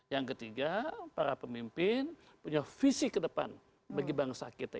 yang ketiga para pemimpin punya visi ke depan bagi bangsa kita